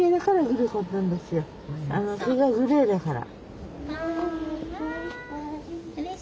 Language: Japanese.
毛がグレーだから。